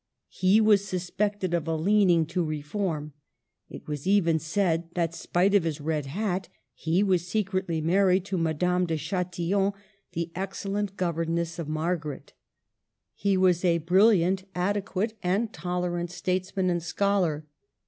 He was suspected of a leaning to Reform ; it was even said that, spite of his red hat, he was secretly married to Madame de Chatillon, the excellent governess of Margaret 134 MARGARET OF ANGOUL^ME. He was a brilliant, adequate, and tolerant states man and scholar.